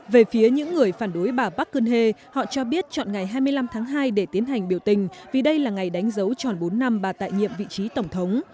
về phía những người phản đối bà con he họ cho biết chọn ngày hai mươi năm tháng hai để tiến hành biểu tình vì đây là ngày đánh dấu tròn bốn năm bà tại nhiệm vị trí tổng thống